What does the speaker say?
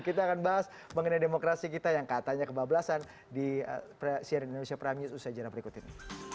kita akan bahas mengenai demokrasi kita yang katanya kebablasan di cnn indonesia prime news usai jalan berikut ini